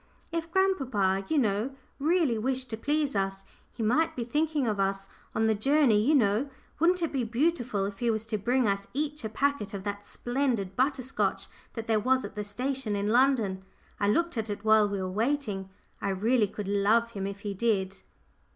"If he grandpapa, you know really wished to please us he might be thinking of us on the journey, you know wouldn't it be beautiful if he was to bring us each a packet of that splendid butter scotch that there was at the station in London? I looked at it while we were waiting. I really could love him if he did."